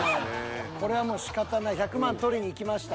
これはもうしかたない１００万獲りにいきました。